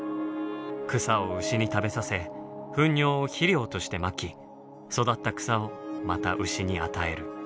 草を牛に食べさせふん尿を肥料としてまき育った草をまた牛に与える。